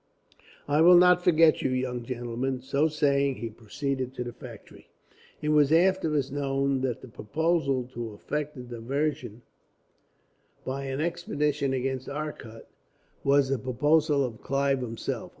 "I will not forget you, young gentlemen." So saying, he proceeded to the factory. It was afterwards known that the proposal, to effect a diversion by an expedition against Arcot, was the proposal of Clive himself.